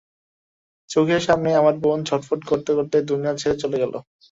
চোখের সামনেই আমার বোন ছটফট করতে করতে দুনিয়া ছেড়ে চলে গেল।